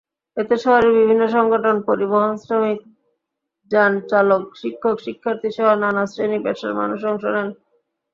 এতে শহরের বিভিন্ন সংগঠন, পরিবহনশ্রমিক, যানচালক, শিক্ষক-শিক্ষার্থীসহ নানা শ্রেণি-পেশার মানুষ অংশ নেন।